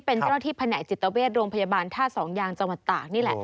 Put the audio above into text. เป็นเจ้าหน้าที่แผนกจิตเวชโรงพยาบาลท่าสองยางจังหวัดตากนี่แหละ